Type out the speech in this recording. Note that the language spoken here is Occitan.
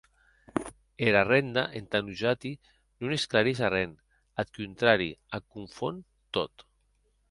Era renda, entà nosati, non esclarís arren; ath contrari, ac confon tot.